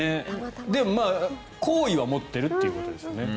でも、好意は持っているということですね。